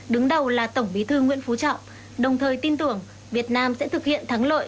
đứng đầu là tổng bí thư nguyễn phú trọng đồng thời tin tưởng việt nam sẽ thực hiện thắng lợi